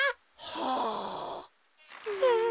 はあ。